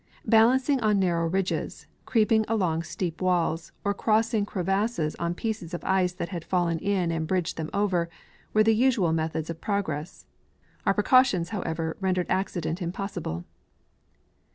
Balancing on narrow ridges, creep ing along steep walls, or crossing crevasses on pieces of ice that had fallen in and bridged them over, were the usual methods of progress. Our precautions, however, rendered accident im possible.